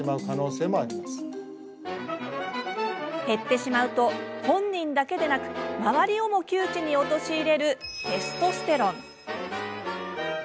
減ってしまうと、本人だけでなく周りをも窮地に陥れるテストステロン。